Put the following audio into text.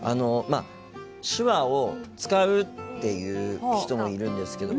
手話を使うっていう人もいるんですけど